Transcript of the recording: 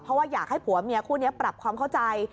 เพราะว่าอยากให้ผัวเมียคู่นี้ปรับความเข้าใจ